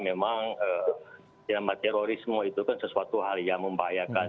memang terorisme itu kan sesuatu hal yang membahayakan